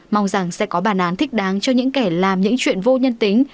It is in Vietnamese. mong rằng sẽ có bản án thích đáng cho những kẻ làm những chuyện vô nhân tính